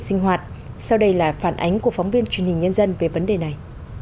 sinh hoạt sau đây là phản ánh của phóng viên truyền hình nhân dân về vấn đề này